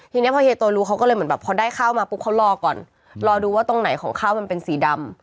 ทีนี้พอเฮียโตรู้เขาก็เลยเหมือนแบบพอได้ข้าวมาปุ๊บเขารอก่อนรอดูว่าตรงไหนของข้าวมันเป็นสีดำ